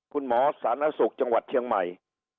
คุณหมอสารสุกจะกัดเชียงใหม่